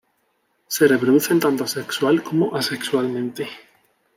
Se reproducen tanto sexual como asexualmente.